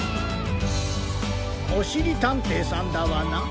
おしりたんていさんダワナ？